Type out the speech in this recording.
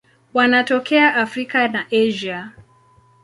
Wanatokea Afrika na Asia.